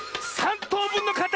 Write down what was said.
とうぶんのかたっ！